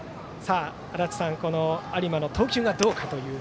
足達さん、有馬の投球がどうか。